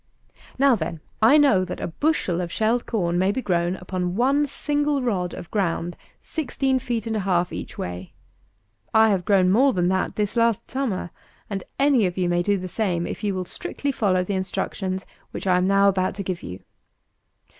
263. Now, then, I know, that a bushel of shelled corn may be grown upon one single rod of ground sixteen feet and a half each way; I have grown more than that this last summer; and any of you may do the same if you will strictly follow the instructions which I am now about to give you.